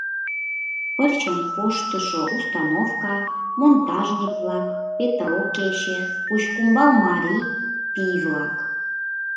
Пырчым коштышо установка, монтажник-влак, петро кече, Кучкумбал марий, пий-влак...